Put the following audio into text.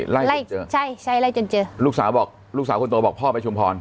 ไล่ไล่เจอใช่ใช่ไล่จนเจอลูกสาวบอกลูกสาวคนโตบอกพ่อไปชุมพร